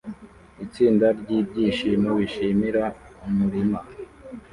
Itsinda ryibyishimo bishimira umurima